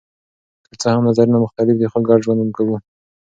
که څه هم نظرونه مختلف دي خو ګډ ژوند کوو.